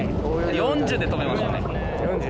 ４０で止めましょう。